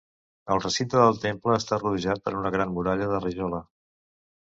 El recinte del temple està rodejat per una gran muralla de rajola.